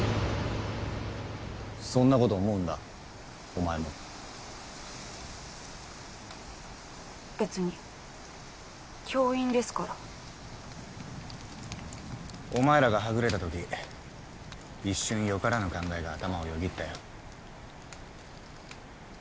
そんなこと思うんだお前も別に教員ですからお前らがはぐれたとき一瞬よからぬ考えが頭をよぎったよ